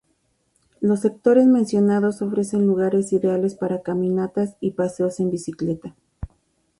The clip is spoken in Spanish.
Los sectores mencionados ofrecen lugares ideales para caminatas y paseos en bicicleta.